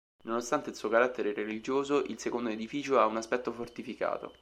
Nonostante il suo carattere religioso, il secondo edificio ha un aspetto fortificato.